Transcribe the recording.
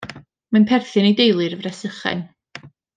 Mae'n perthyn i deulu'r fresychen.